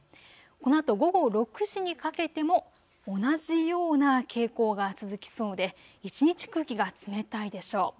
このあと午後６時にかけても同じような傾向が続きそうで一日空気が冷たいでしょう。